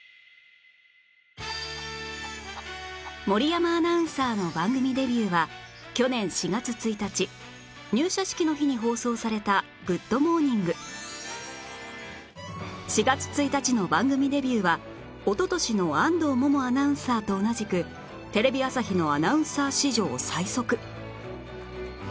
森山アナウンサーの番組デビューは去年４月１日入社式の日に放送された『グッド！モーニング』４月１日の番組デビューはおととしの安藤萌々アナウンサーと同じくテレビ朝日のアナウンサー史上最速